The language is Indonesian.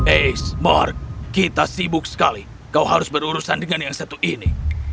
eits ⁇ mark kita sibuk sekali kau harus berurusan dengan yang satu ini